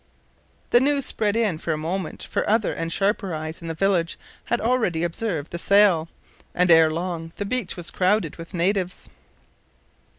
The news spread in a moment for other and sharper eyes in the village had already observed the sail, and, ere long, the beach was crowded with natives.